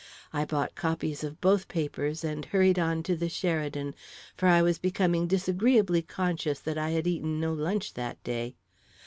I bought copies of both papers, and hurried on to the Sheridan, for I was becoming disagreeably conscious that I had eaten no lunch that day.